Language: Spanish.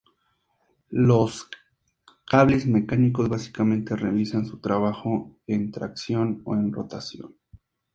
Los cables mecánicos básicamente realizan su trabajo en tracción o en rotación.